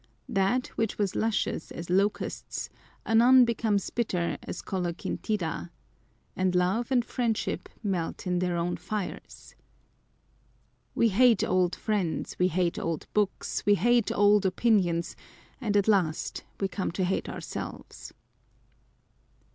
" That which was luscious as locusts, anon becomes bitter as coloquintida ;" and love and friend ship melt in their own fires. We hate old friends: we On the Pleasure of Hating. 181 liate old books : we hate old opinions ; and at last we come to hate ourselves.